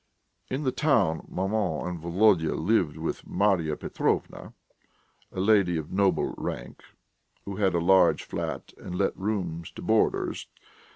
In the town maman and Volodya lived with Marya Petrovna, a lady of noble rank, who had a large flat and let rooms to boarders.